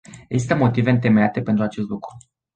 Există motive întemeiate pentru acest lucru.